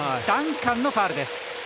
ダンカンのファウルです。